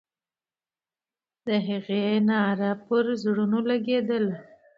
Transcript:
د هغې ناره پر زړونو لګېدله.